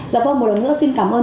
dạ vâng một lần nữa xin cảm ơn